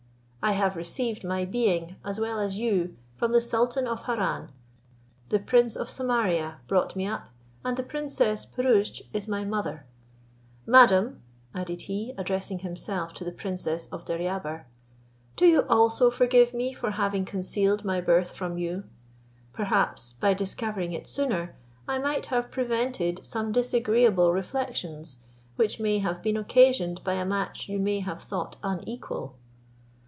I have received my being, as well as you, from the sultan of Harran, the prince of Samaria brought me up, and the princess Pirouzč is my mother. Madam," added he, addressing himself to the Princess of Deryabar, "do you also forgive me for having concealed my birth from you? Perhaps, by discovering it sooner, I might have prevented some disagreeable reflections, which may have been occasioned by a match you may have thought unequal."